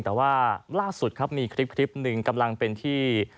แต่ว่าล่าสุดครับมีคลิปหนึ่งกำลังเป็นที่